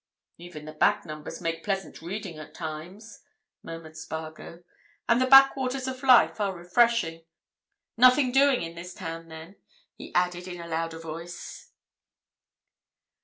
"Even the back numbers make pleasant reading at times," murmured Spargo. "And the backwaters of life are refreshing. Nothing doing in this town, then?" he added in a louder voice.